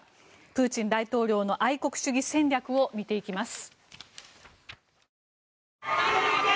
プーチン大統領の愛国主義戦略を見ていきます。